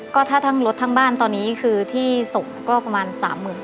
ก็ถ้าทั้งรถทั้งบ้านตอนนี้คือที่ส่งก็ประมาณ๓๐๐๐บาท